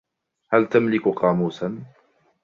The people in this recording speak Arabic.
هل تملك قاموساً ؟